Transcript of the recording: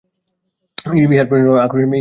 ইহার প্রচণ্ড আকর্ষণী শক্তি আছে।